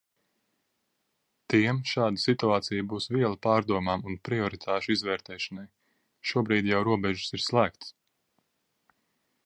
Tiem šāda situācija būs viela pārdomām un prioritāšu izvērtēšanai. Šobrīd jau robežas ir slēgtas!